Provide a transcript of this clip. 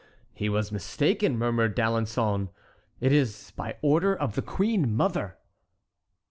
"He is mistaken," murmured D'Alençon; "it is by order of the queen mother."